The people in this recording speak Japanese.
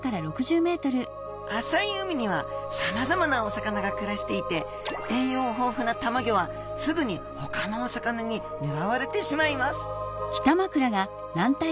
浅い海にはさまざまなお魚が暮らしていて栄養豊富なたまギョはすぐにほかのお魚にねらわれてしまいます